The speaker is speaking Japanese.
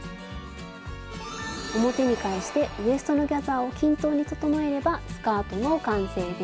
表に返してウエストのギャザーを均等に整えればスカートの完成です。